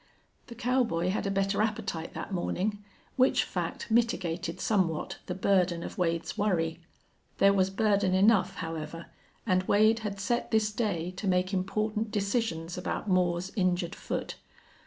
The cowboy had a better appetite that morning, which fact mitigated somewhat the burden of Wade's worry. There was burden enough, however, and Wade had set this day to make important decisions about Moore's injured foot.